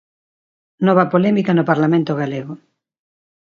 Nova polémica no Parlamento galego.